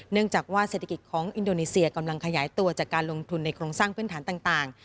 เนื่องจากว่าเศรษฐกิจของอินโดนีเซียกำลังขยายตัวจากการลงทุนในโครงสร้างพื้นฐานต่าง